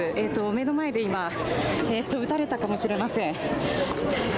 目の前で今撃たれたかもしれません。